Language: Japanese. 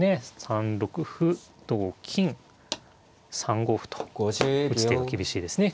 ３六歩同金３五歩と打つ手が厳しいですね。